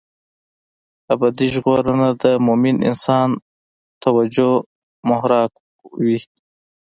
ابدي ژغورنه د مومن انسان توجه محراق وي.